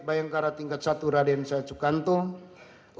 bayangkara tingkat satu raden syacu kantung